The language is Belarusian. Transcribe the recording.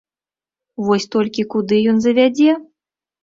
Вось толькі куды ён завядзе?